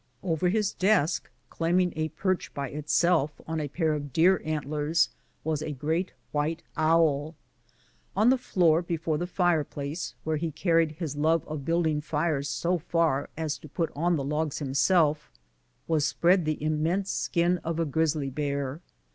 Over his desk, claiming a perch by itself on a pair of deer antlers, was a great white owl. On the floor before the fireplace, where he carried his love for building fires so far as to put on the logs himself, was spread the immense skin of a grisly bear.